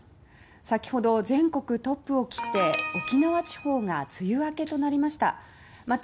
先ほど全国トップを切って沖縄地方が梅雨明けとなりました。